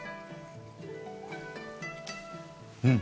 うん。